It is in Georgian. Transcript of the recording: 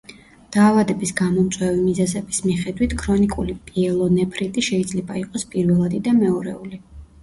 დაავადების გამომწვევი მიზეზების მიხედვით ქრონიკული პიელონეფრიტი შეიძლება იყოს პირველადი და მეორეული.